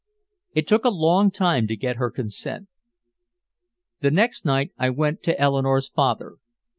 It took a long time to get her consent. The next night I went to Eleanore's father.